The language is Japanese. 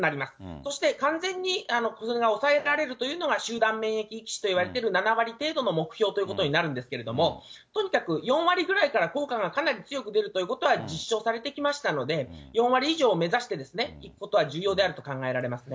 そして完全にそれが抑えられるというのが、集団免疫域値といわれている７割程度の目標ということになるんですけれども、とにかく４割ぐらいから効果がかなり強く出るということは実証されてきましたので、４割以上を目指していくことは重要であると考えられますね。